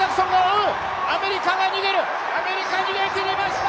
アメリカ逃げきりました！